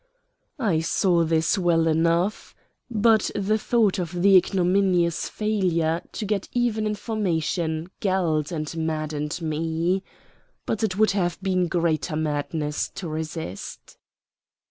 I saw this well enough; but the thought of the ignominious failure to get even information galled and maddened me. But it would have been greater madness to resist.